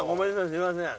すいません。